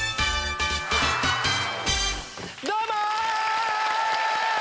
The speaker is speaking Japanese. どうも！